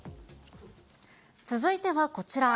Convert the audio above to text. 続いてはこちら。